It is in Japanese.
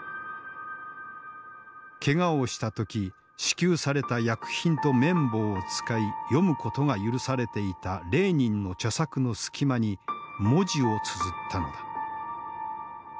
けがをした時支給された薬品と綿棒を使い読むことが許されていたレーニンの著作の隙間に文字をつづったのだ。